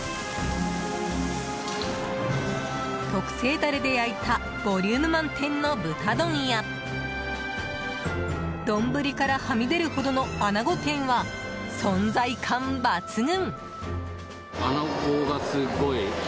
特製ダレで焼いたボリューム満点の豚丼や丼からはみ出るほどの穴子天は存在感抜群。